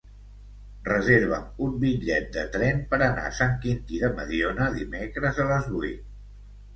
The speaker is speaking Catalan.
Reserva'm un bitllet de tren per anar a Sant Quintí de Mediona dimecres a les vuit.